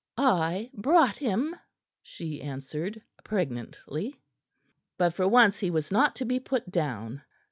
"I brought him," she answered pregnantly. But for once he was not to be put down.